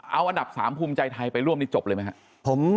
เอาอันดับ๓ภูมิใจไทยไปร่วมนี่จบเลยไหมครับ